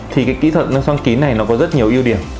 thì cái kỹ thuật son kín này nó có rất nhiều ưu điểm